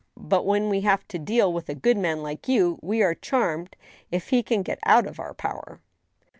But, when we have to deal with a good man like you, we are charmed if he can get out of our power."